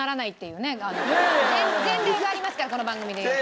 前例がありますからこの番組で言うと。